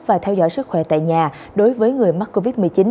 và theo dõi sức khỏe tại nhà đối với người mắc covid một mươi chín